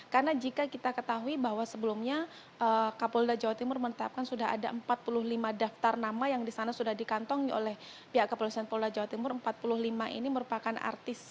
karena jika kita ketahui bahwa sebelumnya pihak keperluan polda jawa timur sudah melakukan transaksi dan dihubungi dengan jaringan es